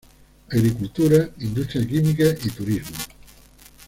Agricultura, industria química y turismo.